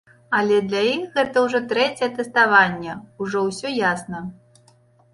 Але для іх гэта ўжо трэцяе тэставанне, ужо ўсё ясна.